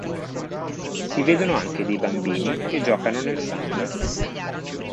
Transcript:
Si vedono anche dei bambini che giocano nel sangue.